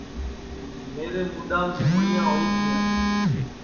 میرے مُڈؔام گُمڑیاں ہوئی گیاں